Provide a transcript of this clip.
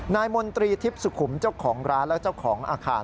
มนตรีทิพย์สุขุมเจ้าของร้านและเจ้าของอาคาร